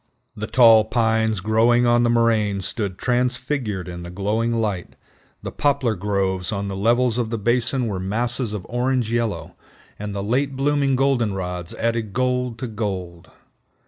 The tall pines growing on the moraines stood transfigured in the glowing light, the poplar groves on the levels of the basin were masses of orange yellow, and the late blooming goldenrods added gold to gold.